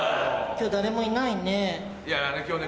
今日誰もいないね。